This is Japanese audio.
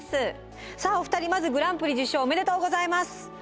さあお二人まずグランプリ受賞おめでとうございます。